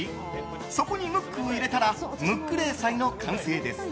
そこにムックを入れたらムック冷菜の完成です。